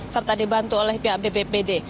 serta dibantu oleh pihak bppd